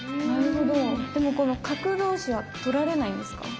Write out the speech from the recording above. でもこの角同士は取られないんですか？